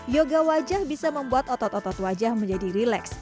yoga wajah bisa membuat otot otot wajah menjadi rileks